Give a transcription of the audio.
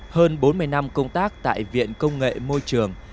hơn bốn mươi năm công tác tại viện công nghệ môi trường